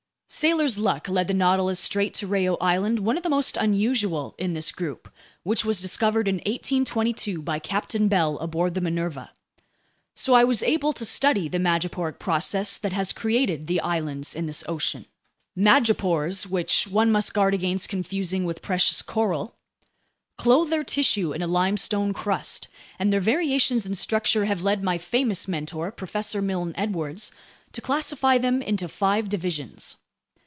Sailors' luck led the Nautilus straight to Reao Island, one of the most unusual in this group, which was discovered in 1822 by Captain Bell aboard the Minerva. So I was able to study the madreporic process that has created the islands in this ocean. Madrepores, which one must guard against confusing with precious coral, clothe their tissue in a limestone crust, and their variations in structure have led my famous mentor Professor Milne Edwards to classify them into five divisions.